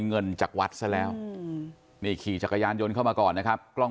เงินจากวัดซะแล้วนี่ขี่จักรยานยนต์เข้ามาก่อนนะครับกล้อง